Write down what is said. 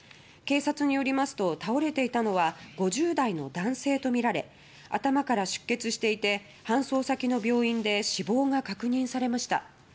警察によりますと倒れていたのは５０代の男性とみられ頭から出血していて搬送先の病院で死亡が確認されました。